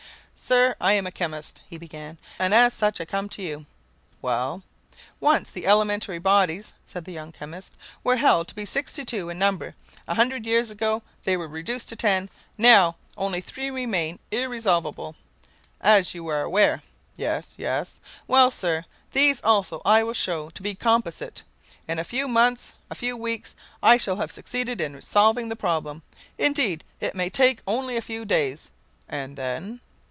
"Sir, I am a chemist," he began, "and as such I come to you." "Well!" "Once the elementary bodies," said the young chemist, "were held to be sixty two in number; a hundred years ago they were reduced to ten; now only three remain irresolvable, as you are aware." "Yes, yes." "Well, sir, these also I will show to be composite. In a few months, a few weeks, I shall have succeeded in solving the problem. Indeed, it may take only a few days." "And then?"